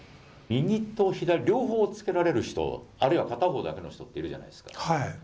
右と左、両方おっつけられる人あるいは片方だけの人っているじゃないですか。